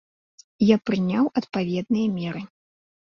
Я прыняў адпаведныя меры.